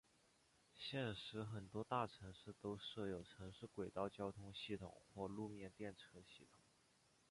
现时很多大城市都设有城市轨道交通系统或路面电车系统。